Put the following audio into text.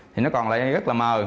thì nó còn lại rất là mờ